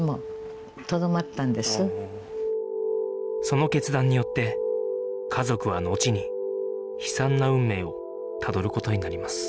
その決断によって家族はのちに悲惨な運命をたどる事になります